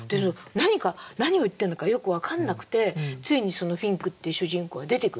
何を言ってるのかよく分かんなくてついにフィンクっていう主人公が出てくんですよね。